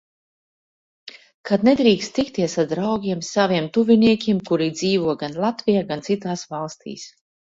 Kad nedrīkst tikties ar draugiem, saviem tuviniekiem, kuri dzīvo gan Latvijā, gan citās valstīs.